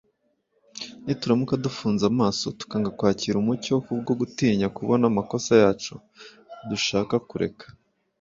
nituramuka dufunze amaso tukanga kwakira umucyo kubwo gutinya kubona amakosa yacu, tudashaka kureka